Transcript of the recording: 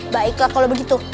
baiklah kalau begitu